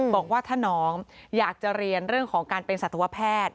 บอกว่าถ้าน้องอยากจะเรียนเรื่องของการเป็นสัตวแพทย์